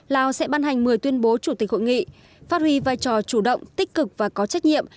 lào sẽ ban hành một mươi tuyên bố chủ tịch hội nghị phát huy vai trò chủ động tích cực và có trách nhiệm